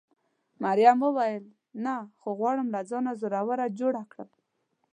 مريم وویل: نه، خو غواړم له ځانه زړوره جوړه کړم.